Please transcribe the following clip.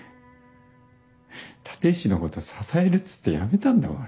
立石のこと支えるって言ってやめたんだもん。